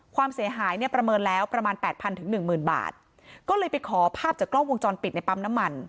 ความเสียหายเนี่ยประเมินแล้วประมาณแปดพันถึงหนึ่งหมื่นบาทก็เลยไปขอภาพจากกล้องวงจรปิดในปั๊มน้ำมัน